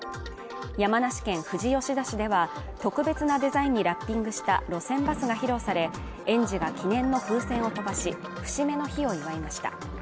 山梨県富士吉田市では特別なデザインにラッピングした路線バスが披露され、園児が記念の風船を飛ばし、節目の日を祝いました。